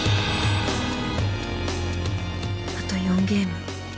あと４ゲーム